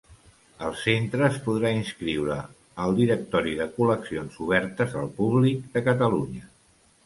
El centre es podrà inscriure al Directori de Col·leccions obertes al públic de Catalunya.